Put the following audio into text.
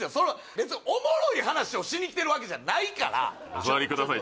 別にオモロい話をしにきてるわけじゃないからお座りください